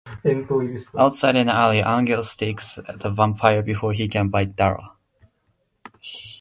Outside, in an alley, Angel stakes the vampire before he can bite Darla.